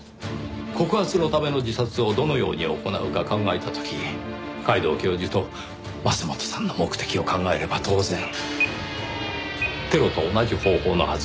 告発のための自殺をどのように行うか考えた時皆藤教授と桝本さんの目的を考えれば当然テロと同じ方法のはず。